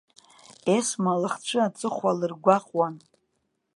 Есма лыхцә аҵыхәа лыргәаҟуан.